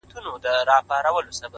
ډېر مي د اورنګ او خوشحال خان!